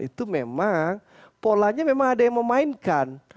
itu memang polanya memang ada yang memainkan